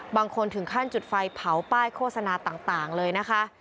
บางคนถึงขั้นจุดไฟเผาป้ายโฆษณาต่างเลยนะคะ